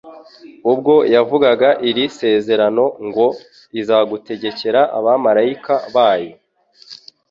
Ubwo yavugaga iri sezerano ngo : «Izagutegekera abamalayika bayo»,